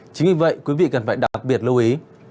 chính vì vậy quý vị cần phải đặc biệt lưu ý